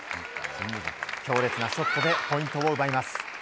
強烈なショットでポイントを奪います。